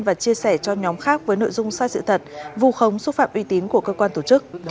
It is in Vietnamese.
và chia sẻ cho nhóm khác với nội dung sai sự thật vù khống xúc phạm uy tín của cơ quan tổ chức